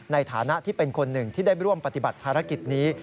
ในฐานะที่เป็นคนหนึ่งที่ได้ร่วมปฏิบัติภารกิจนี้